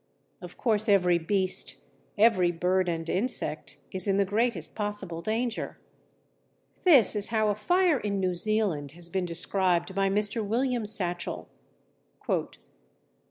Of course every beast, every bird and insect is in the greatest possible danger. This is how a fire in New Zealand has been described by Mr. William Satchell: _The Toll of the Bush.